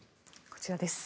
こちらです。